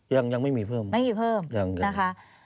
ยังไม่มีเพิ่มไม่มีเพิ่มนะคะ